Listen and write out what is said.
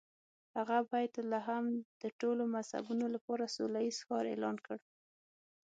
هغه بیت لحم د ټولو مذهبونو لپاره سوله ییز ښار اعلان کړ.